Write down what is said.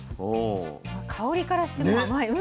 香りからしてもう甘い。